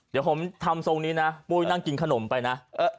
เดี๋ยวผมทำทรงนี้นะปุ้ยนั่งกินขนมไปนะ